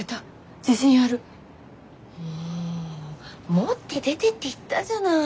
もう持って出てって言ったじゃない。